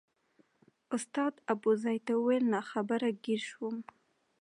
استاد ابوزید ته وویل ناخبره ګیر شوم.